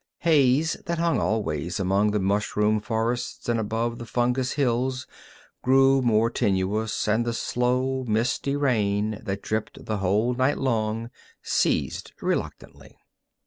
Haze that hung always among the mushroom forests and above the fungus hills grew more tenuous, and the slow and misty rain that dripped the whole night long ceased reluctantly.